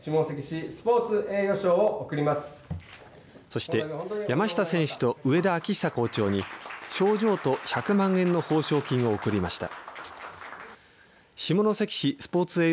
そして、山下選手と上田晃久校長に賞状と１００万円の報奨金を贈りました。